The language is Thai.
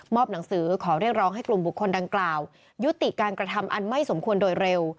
หนังสือขอเรียกร้องให้กลุ่มบุคคลดังกล่าวยุติการกระทำอันไม่สมควรโดยเร็ว